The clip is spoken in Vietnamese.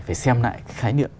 phải xem lại khái niệm